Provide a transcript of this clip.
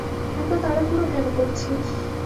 এত তাড়াহুড়ো কেন করছিস?